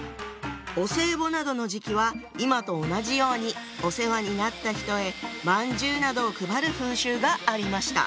お歳暮などの時期は今と同じようにお世話になった人へまんじゅうなどを配る風習がありました。